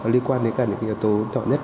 liên quan đến cả những cái yếu tố chọn nhất